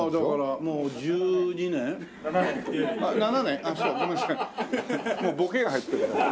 もうボケが入ってるから。